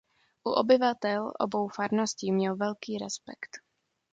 U obyvatel obou farností měl velký respekt.